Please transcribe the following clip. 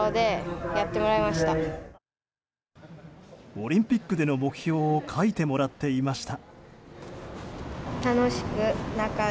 オリンピックでの目標を書いてもらっていました。